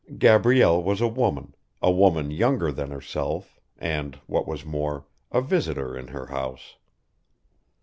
Gabrielle was a woman, a woman younger than herself, and, what was more, a visitor in her house.